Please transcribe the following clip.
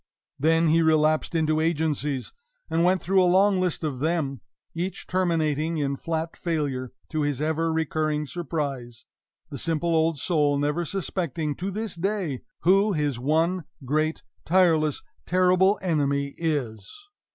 Then he relapsed into agencies, and went through a long list of them, each terminating in flat failure, to his ever recurring surprise the simple old soul never suspecting, to this day, who his one great tireless, terrible enemy is!